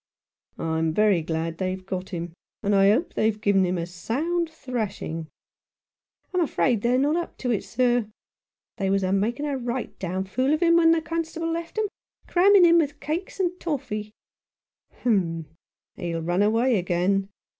"I'm very glad they've got him, and I hope they've given him a sound thrashing !"" I'm afraid they're not up to it, sir. They was a making a right down fool of him when the constable left 'em, cramming him with cakes and toffy." " Humph ! he'll run away again.